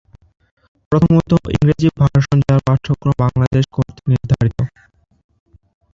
প্রথমত, ইংরেজি ভার্সন যার পাঠ্যক্রম বাংলাদেশ কর্তৃক নির্ধারিত।